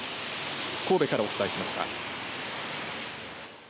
神戸からお伝えしました。